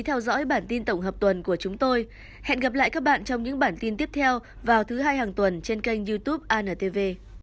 hãy theo dõi tiếp theo vào thứ hai hàng tuần trên kênh youtube antv